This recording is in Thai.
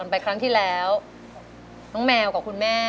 ทั้งในเรื่องของการทำงานเคยทำนานแล้วเกิดปัญหาน้อย